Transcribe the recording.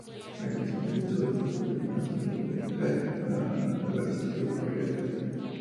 Entre otros ilustrados hijos del municipio se puede mencionar al profesor Evaristo Correa Calderón.